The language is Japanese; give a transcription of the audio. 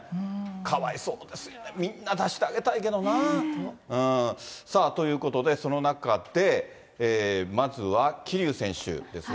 かわいそうですね、みんな出してあげたいけどな。ということで、その中で、まずは桐生選手ですが。